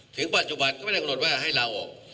ถึงปัจจุบันก็ไม่ได้กำหนดว่าให้ลาออก